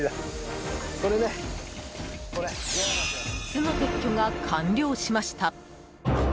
巣の撤去が完了しました。